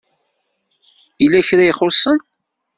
Yella kra i ixuṣṣen.